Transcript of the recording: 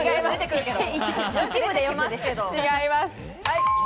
違います。